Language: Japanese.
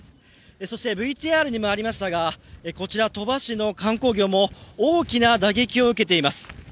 そしてＶＴＲにもありましたがこちら、鳥羽市の観光業も大きな打撃を受けています。